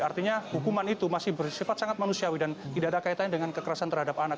artinya hukuman itu masih bersifat sangat manusiawi dan tidak ada kaitannya dengan kekerasan terhadap anak